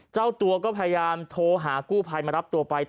เจ้าตัวก็พยายามโทรหากู้ภัยมารับตัวไป